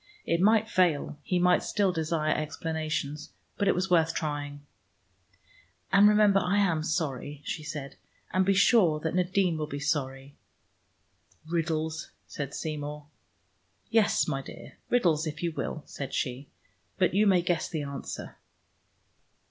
It might fail: he might still desire explanations, but it was worth trying. "And remember I am sorry," she said, "and be sure that Nadine will be sorry." "Riddles," said Seymour. "Yes, my dear, riddles if you will," said she. "But you may guess the answer."